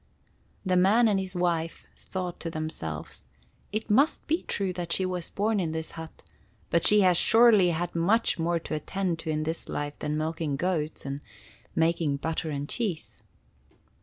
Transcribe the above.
The man and his wife thought to themselves: "It must be true that she was born in this hut, but she has surely had much more to attend to in this life than milking goats and making butter and cheese."